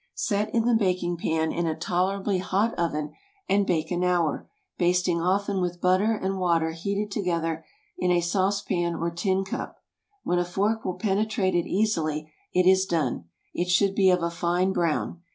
Set in the baking pan in a tolerably hot oven, and bake an hour, basting often with butter and water heated together in a saucepan or tin cup. When a fork will penetrate it easily it is done. It should be of a fine brown.